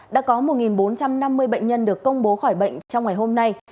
đã có một bốn trăm năm mươi bệnh nhân được công bố khỏi bệnh trong ngày hôm nay